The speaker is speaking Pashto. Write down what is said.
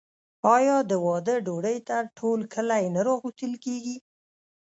آیا د واده ډوډۍ ته ټول کلی نه راغوښتل کیږي؟